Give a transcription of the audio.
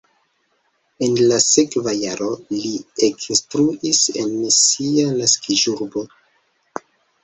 En la sekva jaro li ekinstruis en sia naskiĝurbo.